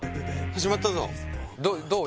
始まったぞどう？